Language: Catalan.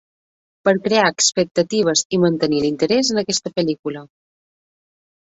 Per crear expectatives i mantenir l'interès en aquesta pel·lícula.